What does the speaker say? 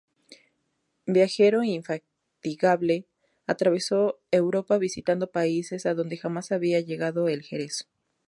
Viajero infatigable, atravesó Europa visitando países a donde jamás había llegado el jerez.